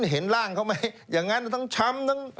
เห็นร่างเขาไหมอย่างนั้นทั้งช้ำทั้ง